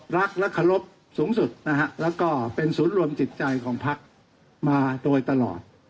รักและเคารพสูงสุดนะฮะแล้วก็เป็นศูนย์รวมจิตใจของพักมาโดยตลอด